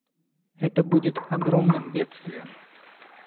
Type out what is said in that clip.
Это будет огромным бедствием.